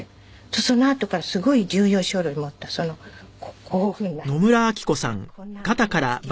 そのあとからすごい重要書類を持ったこういうふうになったねっ。